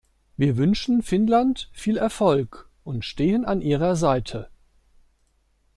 Wir wünschen Finnland viel Erfolg und stehen an Ihrer Seite!